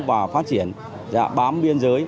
và phát triển bám biên giới